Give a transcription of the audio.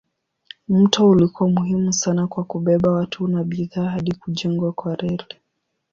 Mto ulikuwa muhimu sana kwa kubeba watu na bidhaa hadi kujengwa kwa reli.